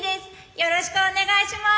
よろしくお願いします」。